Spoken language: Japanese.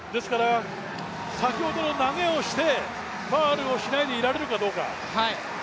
先ほどの投げをして、ファウルをしないでいられるかどうか。